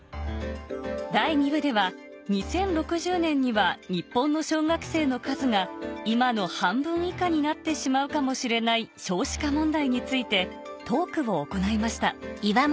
第２部では２０６０年には日本の小学生の数が今の半分以下になってしまうかもしれない少子化問題についてトークを行いました